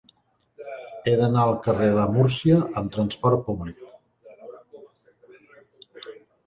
He d'anar al carrer de Múrcia amb trasport públic.